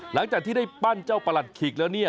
หลังจากที่ได้ปั้นเจ้าประหลัดขิกแล้วเนี่ย